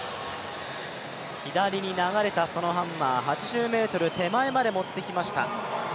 左に流れたそのハンマー、８０ｍ手前まで持ってきました。